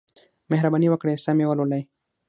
مهرباني وکړئ سم یې ولولئ.